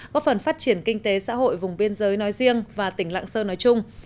có phần phát triển kinh tế xã hội vùng biên giới nói riêng và tỉnh lạng sơn nói chung